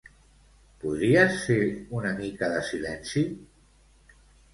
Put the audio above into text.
Podries fer una mica de silenci?